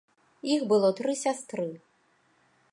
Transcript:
Іх было тры сястры.